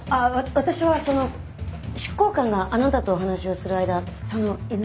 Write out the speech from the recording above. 私はその執行官があなたとお話をする間その犬を。